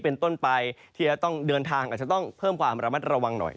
เป็นต้นไปที่จะต้องเดินทางอาจจะต้องเพิ่มความระมัดระวังหน่อย